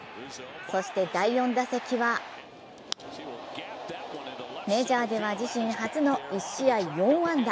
そして第４打席はメジャーでは自身初の１試合４安打。